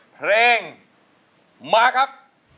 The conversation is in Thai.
เพลงมาครับ